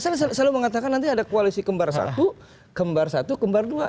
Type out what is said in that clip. saya selalu mengatakan nanti ada koalisi kembar satu kembar satu kembar dua